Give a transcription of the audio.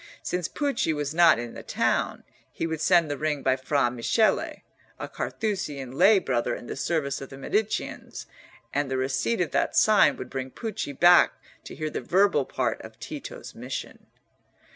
Since Pucci was not in the town, he would send the ring by Fra Michele, a Carthusian lay Brother in the service of the Mediceans, and the receipt of that sign would bring Pucci back to hear the verbal part of Tito's mission.